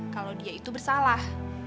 kalau dia itu bersalah